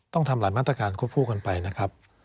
ต้องทำหลายมาตรการควบคู่กันไปนะครับ